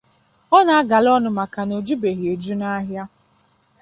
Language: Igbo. ọ na-agala ọnụ maka na o jubeghị eju n’ahịa